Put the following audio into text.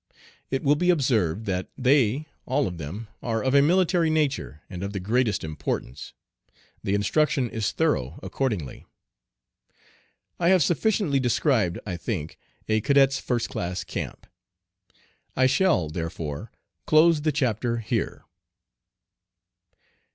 It will be observed that they all of them are of a military nature and of the greatest importance. The instruction is thorough accordingly. I have sufficiently described, I think, a cadet's first class camp. I shall, therefore, close the chapter here.